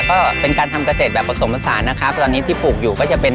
ก็เป็นการทำเกษตรแบบผสมผสานนะคะตอนนี้ที่ปลูกอยู่ก็จะเป็น